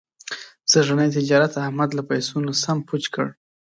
سږني تجارت احمد له پیسو نه سم پوچ کړ.